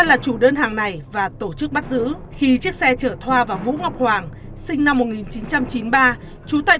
là chủ đơn hàng này và tổ chức bắt giữ khi chiếc xe chở thoa và vũ ngọc hoàng sinh năm một nghìn chín trăm chín mươi ba trú tại